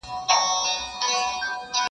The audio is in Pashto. دکرم سیوری چي دي وسو پر ما.